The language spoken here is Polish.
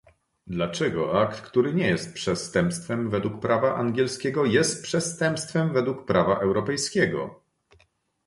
Dlaczego akt, który nie jest przestępstwem według prawa angielskiego, jest przestępstwem według prawa europejskiego?